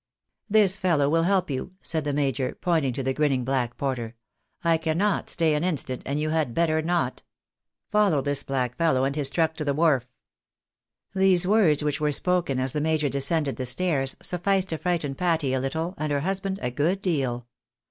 " This fellow will help you," said the major, pointing to the grinning black porter. "I cannot stay an instant, and you had better not. FoUow this black fellow and his truck to the wharf" These words, which were spoken as the major descijnded the stairs, sufficed to frighten Patty a httle, and her husband a good deal.